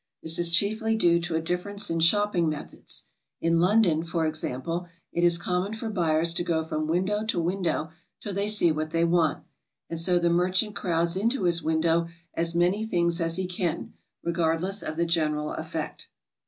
This is chiefly due to a diff'erence in shopping methods. In London, for example, it is common for buyers to go from window to window till they see what they want, and so the merchant crowds into his window as many things as he can, regardless of the general effect.